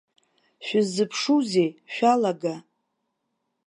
Шәыззыԥшузеи, шәалага!